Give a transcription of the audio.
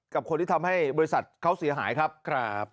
กับคนที่ทำให้บริษัทเขาเสียหายครับ